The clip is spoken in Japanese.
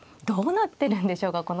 どうなってるんでしょうか